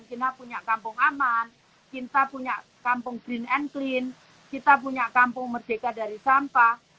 china punya kampung aman kita punya kampung green and clean kita punya kampung merdeka dari sampah